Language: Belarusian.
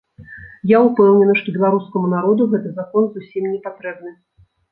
Я ўпэўнены, што беларускаму народу гэты закон зусім не патрэбны.